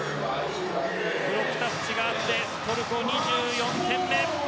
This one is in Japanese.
ブロックタッチがあってトルコ２４点目。